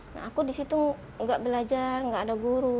nah aku disitu nggak belajar nggak ada guru